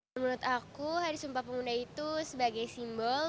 menurut aku hari sumpah pemuda itu sebagai simbol